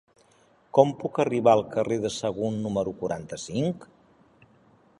Com puc arribar al carrer de Sagunt número quaranta-cinc?